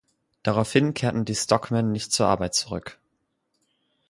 Daraufhin kehrten die Stockman nicht zur Arbeit zurück.